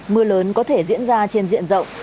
mưa lớn có thể diễn ra trên diện rộng